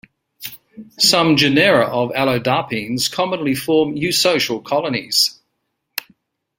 Some genera of Allodapines commonly form eusocial colonies.